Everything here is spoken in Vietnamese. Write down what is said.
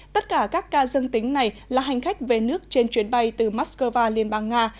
tất cả các ca dương tính này là hành khách về nước trên chuyến bay từ moscow liên bang nga